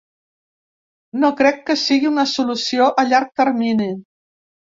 No crec que sigui una solució a llarg termini.